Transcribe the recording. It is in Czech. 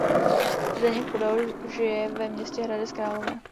Zdeněk Podal žije ve městě Hradec Králové.